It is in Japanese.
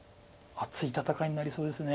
熱い戦いになりそうです。